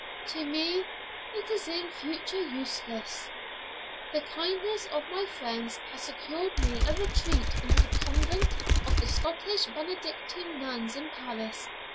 'To me it is in future useless. The kindness of my friends has secured me a retreat in the convent of the Scottish Benedictine nuns in Paris.